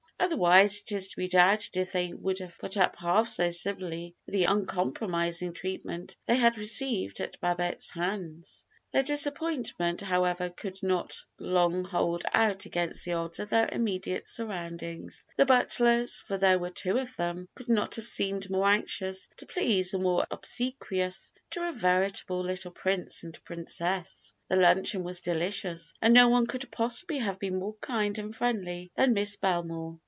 Otherwise it is to be doubted if they would have put up half so civilly with the uncompromising treatment they had received at Babette's hands. Their disappointment, however, could not long hold out against the odds of their immediate surroundings. The butlers for there were two of them could not have seemed more anxious to please or more obsequious to a veritable little prince and princess; the luncheon was delicious, and no one could possibly have been more kind and friendly than Miss Bel more.